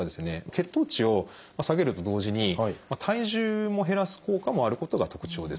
血糖値を下げると同時に体重も減らす効果もあることが特徴です。